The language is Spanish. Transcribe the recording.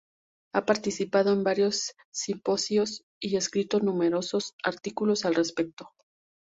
Ha participado en varios simposios y escrito numerosos artículos al respecto.